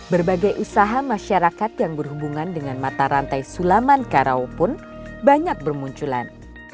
berbagai usaha masyarakat yang berhubungan dengan mata rantai sulaman karau pun banyak bermunculan